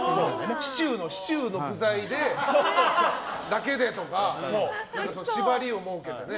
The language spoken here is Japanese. シチューの具材だけでとか縛りを設けてね。